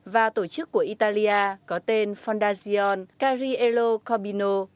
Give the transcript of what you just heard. và tổ chức của italia có tên fondazione cariello corbino